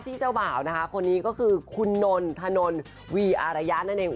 เจ้าบ่าวนะคะคนนี้ก็คือคุณนนทนนวีอารยะนั่นเอง